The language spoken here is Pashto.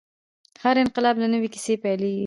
هر انقلاب له نوې کیسې پیلېږي.